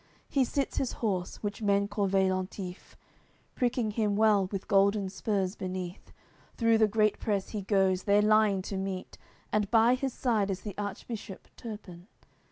He sits his horse, which men call Veillantif, Pricking him well with golden spurs beneath, Through the great press he goes, their line to meet, And by his side is the Archbishop Turpin.